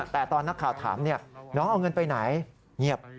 แต่ตอนนักข่าวถามน้องเอาเงินไปไหนเงียบ